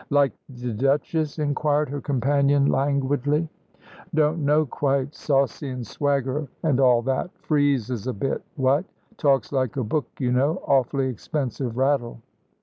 "Like th' Duchess?" inquired her companion, languidly. "Don't know, quite. Saucy and swagger and all that. Freezes a bit what? Talks like a book, you know. Awfully expensive rattle."